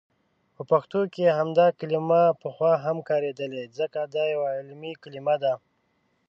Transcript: په پښتو کې همدا کلمه پخوا هم کاریدلي، ځکه دا یو علمي کلمه ده.